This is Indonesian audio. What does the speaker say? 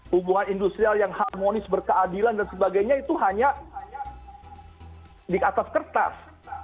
hubungan industrial yang harmonis berkeadilan dan sebagainya itu hanya di atas kertas